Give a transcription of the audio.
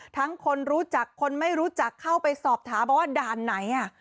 คนรู้จักคนไม่รู้จักเข้าไปสอบถามบอกว่าด่านไหนอ่ะ